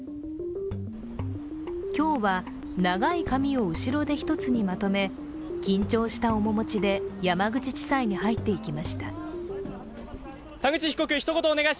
今日は長い髪を後ろで一つにまとめ緊張した面持ちで山口地裁に入っていきました